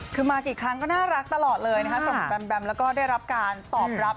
คือมากี่ครั้งก็น่ารักตลอดเลยนะคะสำหรับแบมแบมแล้วก็ได้รับการตอบรับ